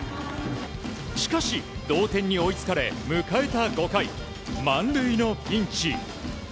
しかし、同点に追いつかれ迎えた５回満塁のピンチ。